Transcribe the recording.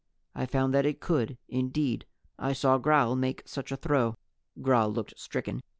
I found that it could. Indeed, I saw Gral make such a throw." Gral looked stricken.